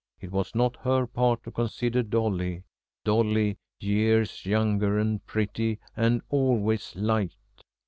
It was not her part to consider Dolly Dolly, years younger, and pretty, and always liked.